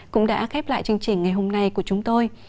cũng đã khép lại chương trình ngày hôm nay của chúng tôi